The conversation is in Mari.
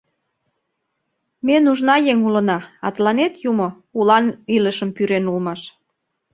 Ме нужна еҥ улына, а тыланет юмо улан илышым пӱрен улмаш.